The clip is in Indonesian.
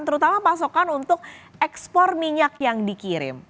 terutama pasokan untuk ekspor minyak yang dikirim